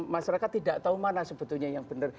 masyarakat tidak tahu mana sebetulnya yang benar